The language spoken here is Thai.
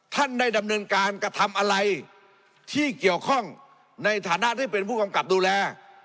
ท่านได้ดำเนินการกระทำอะไรที่เกี่ยวข้องในฐานะที่เป็นผู้กำกับดูแล